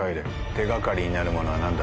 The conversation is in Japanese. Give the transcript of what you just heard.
手がかりになるものは何だ。